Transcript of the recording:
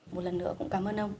một lần nữa cũng cảm ơn ông